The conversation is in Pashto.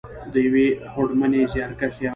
، د یوې هوډمنې، زیارکښې او .